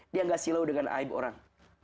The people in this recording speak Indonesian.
dia nggak silau dengan aib orang